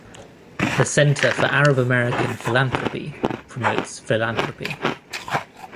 The Center for Arab-American Philanthropy promotes philanthropy.